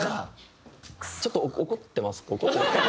ちょっと怒ってます？